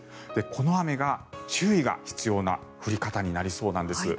この雨が注意が必要な降り方になりそうなんです。